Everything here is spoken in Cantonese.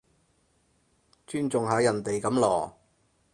尊重下人哋噉囉